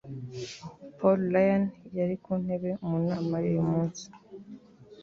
Paul Ryan yari mu ntebe mu nama yuyu munsi